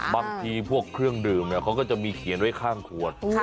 บางทีพวกเครื่องดื่มเขาก็จะมีเขียนไว้ข้างขวด